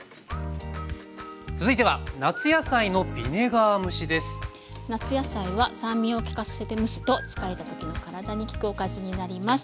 続いては夏野菜は酸味を利かせて蒸すと疲れた時の体に効くおかずになります。